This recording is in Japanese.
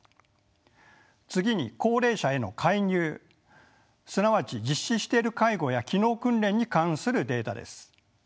次に高齢者への介入すなわち実施している介護や機能訓練に関するデータです。